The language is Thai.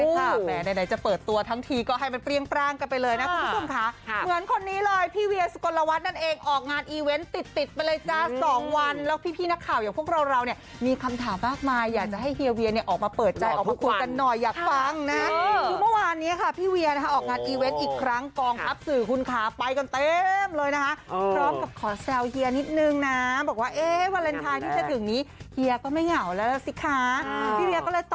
สุดยอดสุดยอดสุดยอดสุดยอดสุดยอดสุดยอดสุดยอดสุดยอดสุดยอดสุดยอดสุดยอดสุดยอดสุดยอดสุดยอดสุดยอดสุดยอดสุดยอดสุดยอดสุดยอดสุดยอดสุดยอดสุดยอดสุดยอดสุดยอดสุดยอดสุดยอดสุดยอดสุดยอดสุดยอดสุดยอดสุดยอดสุดยอด